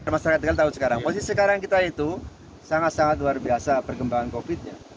masyarakat kita tahu sekarang posisi sekarang kita itu sangat sangat luar biasa perkembangan covid nya